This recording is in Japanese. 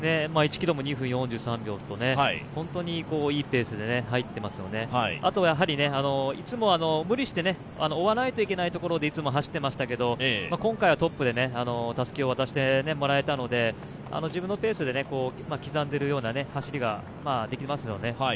１ｋｍも２分４３秒といいペースで入っていますのであとはいつも無理して追わないといけないところで走っていましたけど今回はトップでたすきを渡してもらえたので、自分のペースで刻んでいるような走りができていますよね。